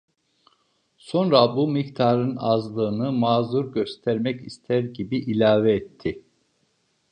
Sonra bu miktarın azlığını mazur göstermek ister gibi ilave etti: